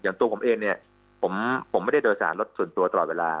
ตัวผมเองเนี่ยผมไม่ได้โดยสารรถส่วนตัวตลอดเวลา